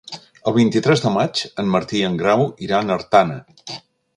El vint-i-tres de maig en Martí i en Grau iran a Artana.